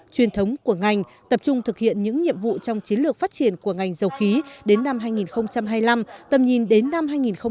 truyền thống của ngành tập trung thực hiện những nhiệm vụ trong chiến lược phát triển của ngành dầu khí đến năm hai nghìn hai mươi năm tầm nhìn đến năm hai nghìn ba mươi